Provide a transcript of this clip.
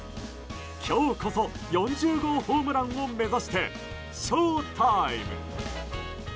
今日こそ４０号ホームランを目指してショウタイム！